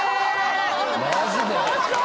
マジで？